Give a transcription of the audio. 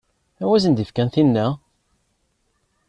Anwa i asen-d-ifkan tinna?